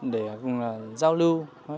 để giao lưu